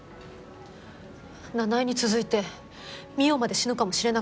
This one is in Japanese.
奈々江に続いて望緒まで死ぬかもしれなかったのよ。